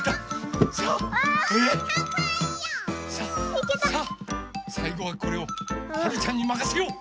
さあさいごはこれをはるちゃんにまかせよう！